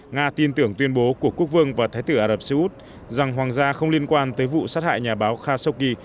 nga tin tưởng tuyên bố của quốc vương và thái tử ả rập xê út rằng hoàng gia không liên quan tới vụ sát hại nhà báo khashoggi